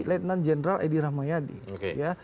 lieutenant general edi rahmayadi